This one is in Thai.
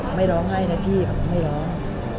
ทำน้องอาจารย์ของเบิร์นแค่สัตว์ไหนล่ะ